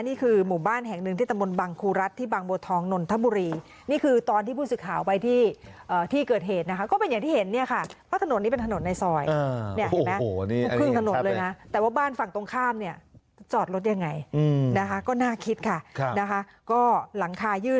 เพื่อนบ้านที่เขาทำเนี่ย